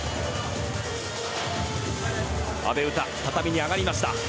阿部詩、畳に上がりました。